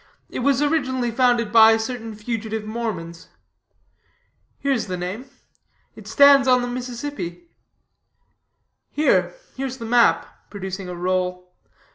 It was originally founded by certain fugitive Mormons. Hence the name. It stands on the Mississippi. Here, here is the map," producing a roll.